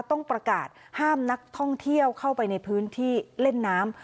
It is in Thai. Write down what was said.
ต้องประกาศห้ามนักท่องเที่ยวเข้าไปในพื้นที่เล่นน้ำ